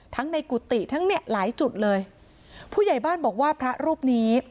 ในกุฏิทั้งเนี่ยหลายจุดเลยผู้ใหญ่บ้านบอกว่าพระรูปนี้